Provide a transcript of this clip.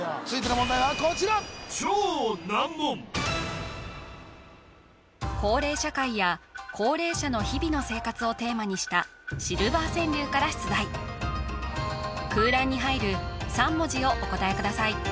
続いての問題はこちら高齢社会や高齢者の日々の生活をテーマにしたシルバー川柳から出題空欄に入る３文字をお答えください